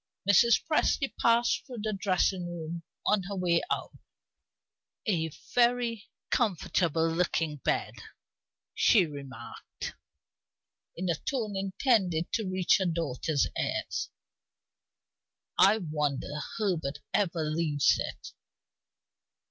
Mrs. Presty passed through the dressing room on her way out. "A very comfortable looking bed," she remarked, in a tone intended to reach her daughter's ears. "I wonder Herbert ever leaves it."